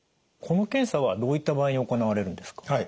この検査はどういった場合に行われるんですか？